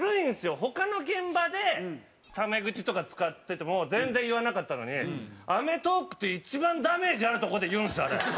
他の現場でタメ口とか使ってても全然言わなかったのに『アメトーーク』という一番ダメージあるとこで言うんですよ、あれ。